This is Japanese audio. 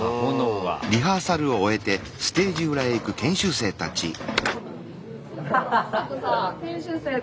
はい。